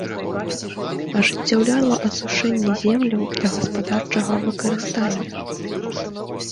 Ажыццяўляла асушэнне земляў для гаспадарчага выкарыстання.